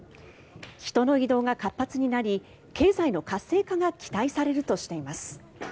人の移動が活発になり経済の活性化が期待されるとしています。